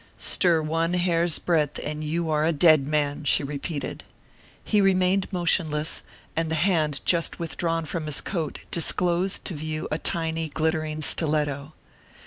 "Stir one hair's breadth, and you are a dead man!" she repeated. He remained motionless, and the hand just withdrawn from his coat disclosed to view a tiny, glittering stiletto.